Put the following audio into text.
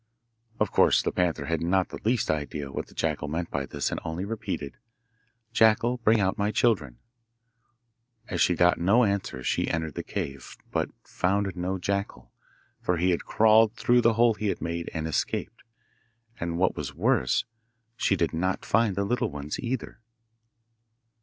Of course the panther had not the least idea what the jackal meant by this, and only repeated, 'Jackal, bring out my children.' As she got no answer she entered the cave, but found no jackal, for he had crawled through the hole he had made and escaped. And, what was worse, she did not find the little ones either.